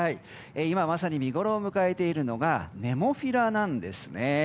今まさに見ごろを迎えているのがネモフィラなんですね。